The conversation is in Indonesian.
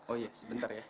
oh iya sih sebentar ya